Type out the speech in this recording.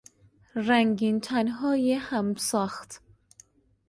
رنگینتنهای همساخت